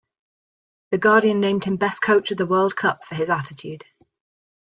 The Guardian named him "Best Coach of the World Cup" for his attitude.